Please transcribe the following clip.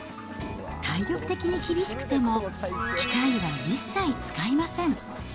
体力的に厳しくても、機械は一切使いません。